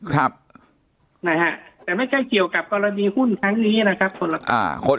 แต่ไม่ใช่เกี่ยวกับกรณีหุ้นทั้งนี้นะครับ